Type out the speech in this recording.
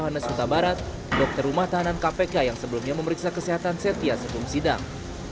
johannes huta barat dokter rumah tahanan kpk yang sebelumnya memeriksa kesehatan setia sebelum sidang